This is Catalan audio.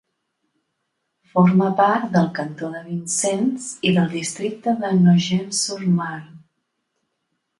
Forma part del cantó de Vincennes i del districte de Nogent-sur-Marne.